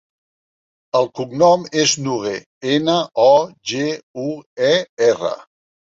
El cognom és Noguer: ena, o, ge, u, e, erra.